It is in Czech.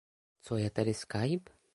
Co je tedy Skype?